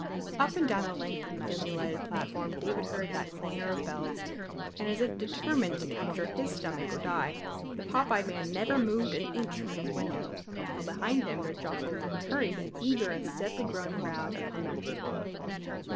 Up and down the length of the dimly lighted platform David heard that clangor of bells, and as if determined to capture his stomach or die, the pop eyed man never moved an inch from his window, while behind him there jostled and hurried an eager and steadily growing crowd of hungry people.